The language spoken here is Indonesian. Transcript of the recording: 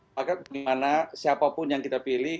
bagaimana siapa pun yang kita pilih